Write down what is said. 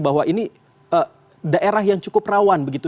bahwa ini daerah yang cukup rawan begitu